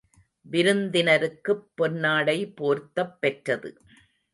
விருந்தினருக்குப் பொன்னாடை போர்த்தப் பெற்றது.